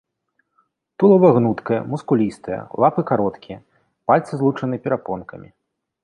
Тулава гнуткае, мускулістае, лапы кароткія, пальцы злучаны перапонкамі.